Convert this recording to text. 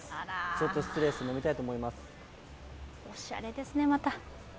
ちょっと失礼して飲みたいと思います。